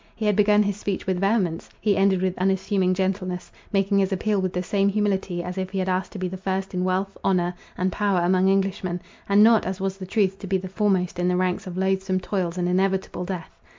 He had begun his speech with vehemence; he ended with unassuming gentleness, making his appeal with the same humility, as if he had asked to be the first in wealth, honour, and power among Englishmen, and not, as was the truth, to be the foremost in the ranks of loathsome toils and inevitable death.